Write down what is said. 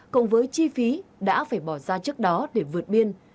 cùng với chi phí đã phải bỏ ra trước đó để vượt biên